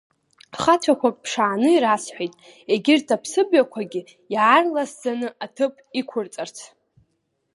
Хацәақәак ԥшааны ирасҳәеит, егьырҭ аԥсыбаҩқәагьы иаарласӡаны аҭыԥ иқәырҵарц!